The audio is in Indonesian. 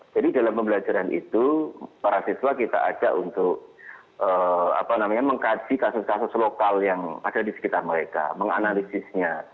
jadi dalam pembelajaran itu para siswa kita ajak untuk mengkaji kasus kasus lokal yang ada di sekitar mereka menganalisisnya